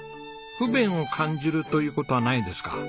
不便を感じるという事はないんですか？